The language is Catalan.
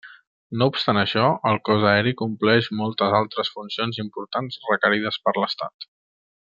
No obstant això, el Cos Aeri compleix moltes altres funcions importants requerides per l'Estat.